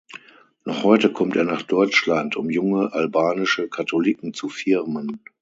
Noch heute kommt er nach Deutschland, um junge albanische Katholiken zu firmen.